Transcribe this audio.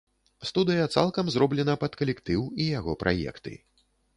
Студыя цалкам зроблена пад калектыў і яго праекты.